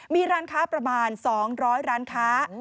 มีร้านค้าประมาณ๒๐๐ร้านค้า